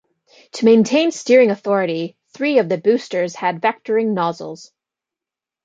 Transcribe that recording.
To maintain steering authority, three of the boosters had vectoring nozzles.